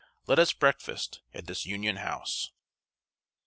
Let us breakfast at this Union house."